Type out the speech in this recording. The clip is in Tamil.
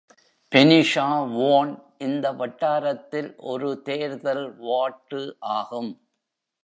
Penisarwaun இந்த வட்டாரத்தில் ஒரு தேர்தல் வார்டு ஆகும்.